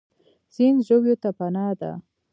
سیند ژویو ته پناه ده.